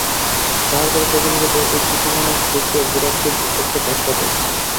তাহার পরে টেবিলের উপর এই চিঠিখানা দেখিয়া গোরা খুব একটা ধাক্কা পাইল।